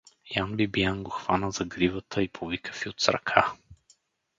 Ян Бибиян го хвана за гривата и повика Фют с ръка.